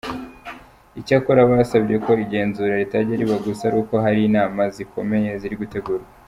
Icyakora basabye ko igenzura ritajya riba gusa ari uko hari inama zikomeye ziri gutegurwa.